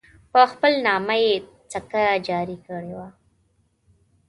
په خپل نامه یې سکه جاري کړې وه.